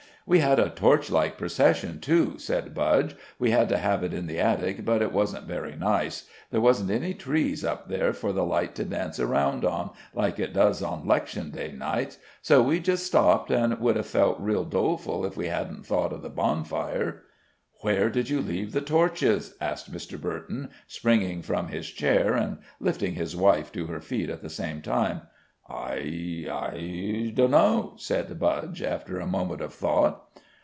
"We had a torchlight procession, too," said Budge. "We had to have it in the attic, but it wasn't very nice. There wasn't any trees up there for the light to dance around on, like it does on 'lection day nights. So we just stopped, an' would have felt real doleful if we hadn't thought of the bonfire." "Where did you leave the torches?" asked Mr. Burton, springing from his chair, and lifting his wife to her feet at the same time. "I I dunno," said Budge, after a moment of thought.